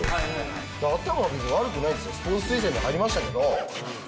だから頭は別に悪くないんですよ、スポーツ推薦で入りましたけどふふふ。